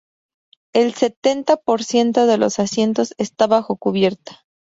El setenta por ciento de los asientos está bajo cubierta.